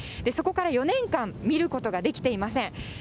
そこから４年間、見ることができていません。